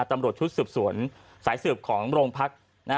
ตำรวจชุดสืบสวนสายสืบของโรงพัก